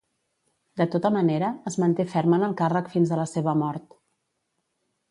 De tota manera, es manté ferm en el càrrec fins a la seva mort.